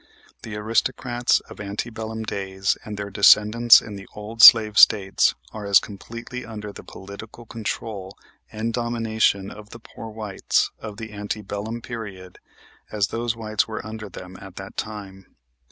The aristocrats of ante bellum days and their descendants in the old slave States are as completely under the political control and domination of the poor whites of the ante bellum period as those whites were under them at that time.